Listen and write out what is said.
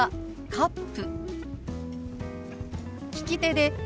「カップ」。